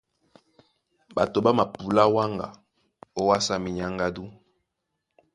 Ɓato ɓá mapulá wáŋga ówásá minyáŋgádú.